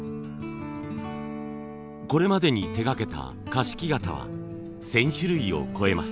これまでに手がけた菓子木型は１，０００種類を超えます。